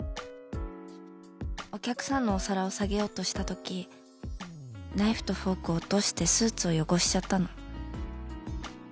お客さんのお皿を下げようとしたときナイフとフォークを落としてスーツを汚しちゃったの。